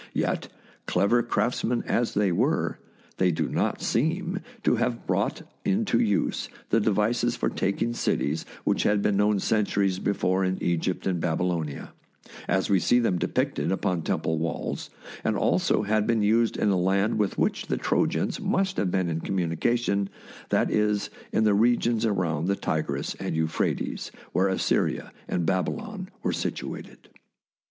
Yet, clever craftsmen as they were, they do not seem to have brought into use the devices for taking cities which had been known centuries before in Egypt and Baby lonia, as we see them depicted upon temple walls, and also had been used in a land with which the Trojans must have been in communication — that is, in the regions around the Tigris and Euphrates, where Assyria and Babylon were situated.